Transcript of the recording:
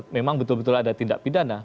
memang betul betul ada tindak pidana